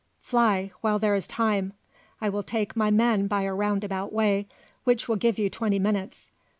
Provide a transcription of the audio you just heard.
Fly, while there is time. I will take my men by a roundabout way, which will give you twenty minutes.